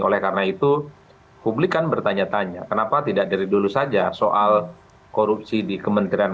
oleh karena itu publik kan bertanya tanya kenapa tidak dari dulu saja soal korupsi di kementerian